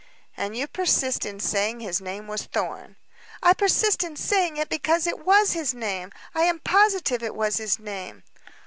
"And you persist in saying his name was Thorn?" "I persist in saying it because it was his name. I am positive it was his name."